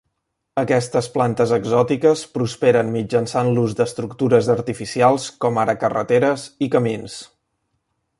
Aquestes plantes exòtiques prosperen mitjançant l'ús d'estructures artificials com ara carreteres i camins.